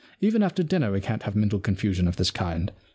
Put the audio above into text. Even after dinner we can't have mental confusion of this kind.